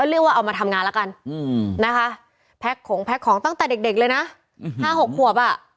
เอามาทำงานแล้วกันนะคะแพ็กของแพ็กของตั้งแต่เด็กเลยนะ๕๖ขวบอะ